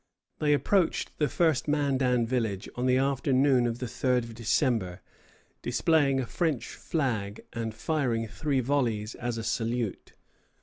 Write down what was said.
They approached the first Mandan village on the afternoon of the 3d of December, displaying a French flag and firing three volleys as a salute.